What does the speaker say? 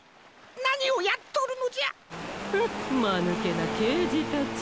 フンまぬけなけいじたち。